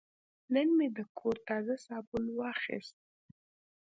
نن مې د کور تازه صابون واخیست.